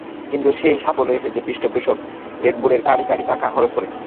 কিন্তু সেই সাফল্য এসেছে পৃষ্ঠপোষক রেডবুলের কাঁড়ি কাঁড়ি টাকা খরচ করে।